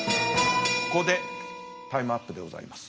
ここでタイムアップでございます。